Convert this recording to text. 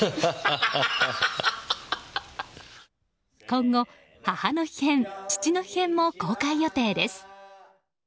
今後、母の日編父の日編も公開予定です。